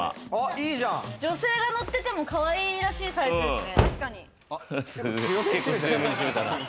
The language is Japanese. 女性が乗っててもかわいらしいサイズですね。